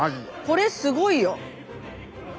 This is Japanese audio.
これすごいよ。